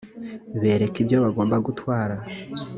bereka ibyo bagomba gutwara